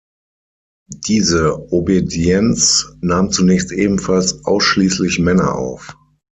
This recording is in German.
Diese Obedienz nahm zunächst ebenfalls ausschließlich Männer auf.